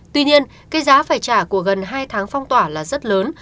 tuy nhiên cái giá phải trả của gần hai tháng phong tỏa là rất lớn